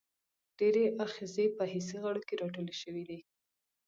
ډیری آخذې په حسي غړو کې راټولې شوي دي.